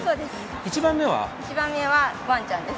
一番目はワンちゃんです。